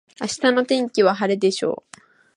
明日の天気は晴れでしょう。